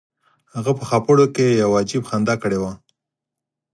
هغه په خاپوړو کې یو عجیب خندا کړې وه